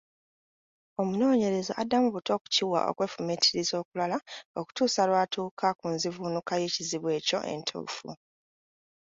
Omunoonyereza addamu buto okukiwa okwefumiitiriza okulala okutuusa lw’atuuka ku nzivuunuka y’ekizibu ekyo entuufu.